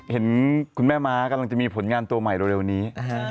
เห็นคุณแม่ม้ากำลังจะมีผลงานตัวใหม่เร็วนี้